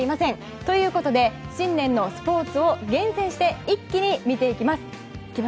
ということで、新年のスポーツを厳選して一気に見ていきます。